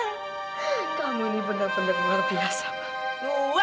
evita nggak mungkin melakukan itu evita pengen mirah kembali ma